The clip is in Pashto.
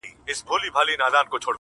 • چي پر هرقدم د خدای شکر کومه -